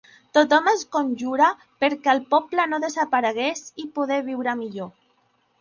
Tothom es conjurà perquè el poble no desaparegués i poder viure millor.